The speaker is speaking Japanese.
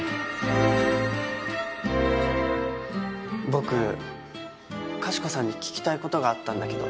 僕かしこさんに聞きたい事があったんだけど。